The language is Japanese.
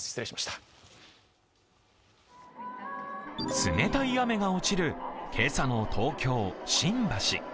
冷たい雨が落ちる今朝の東京・新橋。